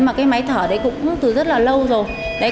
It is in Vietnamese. mà cái máy thở đấy cũng từ rất là lâu rồi